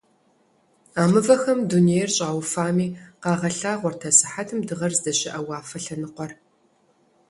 А мывэхэм дунейр щыуфами къагъэлъагъуэрт асыхьэтым дыгъэр здэщыӀэ уафэ лъэныкъуэр.